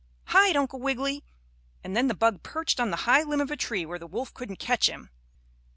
"Hide, Uncle Wiggily," and then the bug perched on the high limb of a tree where the wolf couldn't catch him.